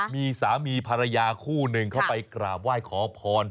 มีสามีภรรยาคู่หนึ่งเข้าไปกราบไหว้ขอพร